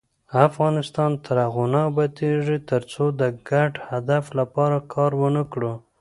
افغانستان تر هغو نه ابادیږي، ترڅو د ګډ هدف لپاره کار ونکړو.